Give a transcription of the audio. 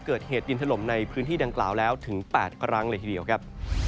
เกิดเหตุดินถล่มในพื้นที่ดังกล่าวแล้วถึง๘ครั้งเลยทีเดียวครับ